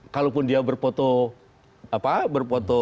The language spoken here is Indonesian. kalaupun dia berfoto